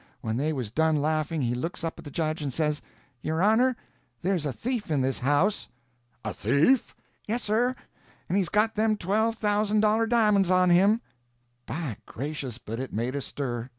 When they was done laughing he looks up at the judge and says: "Your honor, there's a thief in this house." "A thief?" "Yes, sir. And he's got them twelve thousand dollar di'monds on him." By gracious, but it made a stir!